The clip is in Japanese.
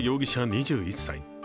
２１歳。